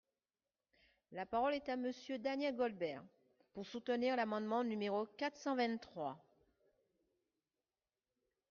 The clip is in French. La parole est à Monsieur Daniel Goldberg, pour soutenir l’amendement numéro quatre cent vingt-trois.